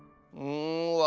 うん。